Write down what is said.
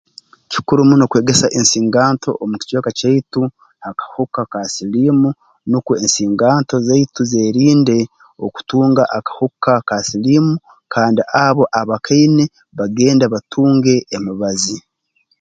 Kikuru muno kwegesa ensinganto omu kicweka kyaitu akahuka ka siliimu nukwo ensinganto zaitu zeerinde okutunga akahuka ka siliimu kandi abo abakaine bagende batunge emibazi